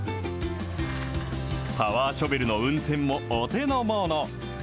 パワーショベルの運転もお手のもの。